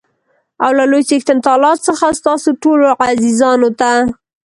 او له لوى څښتن تعالا څخه تاسو ټولو عزیزانو ته